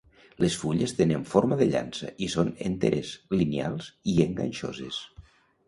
Les fulles tenen forma de llança i són enteres, lineals i enganxoses.